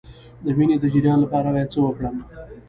د وینې د جریان لپاره باید څه وکړم؟